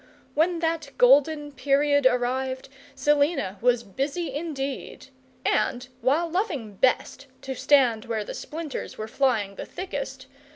When that golden period arrived, Selina was busy indeed; and, while loving best to stand where the splinters were flying the thickest.